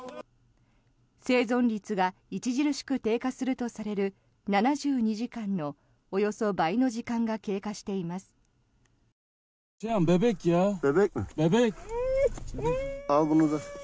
生存率が著しく低下するとされる７２時間のおよそ倍の時間が経過しています。